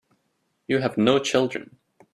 You have no children.